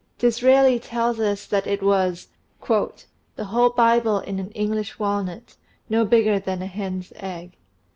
Disraeli tells us that it was " The whole Bible in an English walnut, no bigger than a hen's egg.